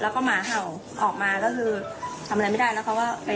เจอตรงหน้าบ้านเนี่ยแล้วก็หมาเห่า